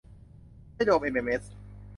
ไม่รวมเอ็มเอ็มเอส